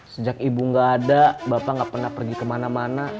sejak ibu gak ada bapak nggak pernah pergi kemana mana